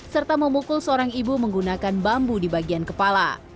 serta memukul seorang ibu menggunakan bambu di bagian kepala